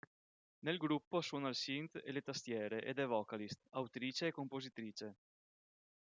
Nel gruppo suona il synth e le tastiere ed è vocalist, autrice e compositrice.